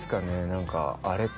何かあれ？